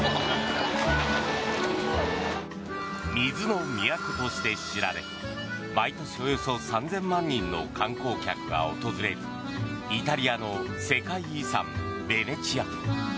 水の都として知られ毎年およそ３０００万人の観光客が訪れるイタリアの世界遺産、ベネチア。